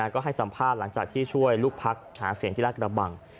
ก็ให้สัมภาษณ์หลังจากที่ช่วยลูกพักหาเสียงที่รัฐกระบัง